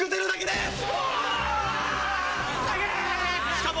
しかも。